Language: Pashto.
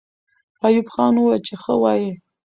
ایوب خان وویل چې ښه وایئ.